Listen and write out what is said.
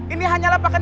ini hanyalah pakan